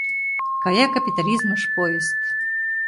Кая капитализмыш поезд